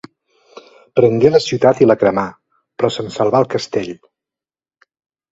Prengué la ciutat i la cremà, però se'n salvà el castell.